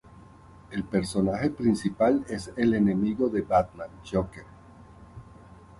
El personaje principal es el enemigo de Batman Joker.